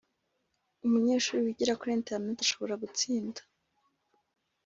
umunyeshuri wigira kuri interineti ashobora gutsinda